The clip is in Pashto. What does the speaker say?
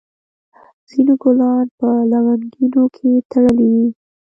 ځینو ګلان په لونګیو کې تړلي وي.